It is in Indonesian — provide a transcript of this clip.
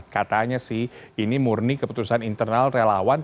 katanya sih ini murni keputusan internal relawan